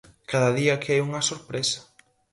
Cada día aquí hai unha sorpresa.